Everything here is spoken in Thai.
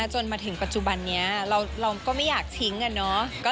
จนมาถึงปัจจุบันนี้เราก็ไม่อยากทิ้งอะเนาะ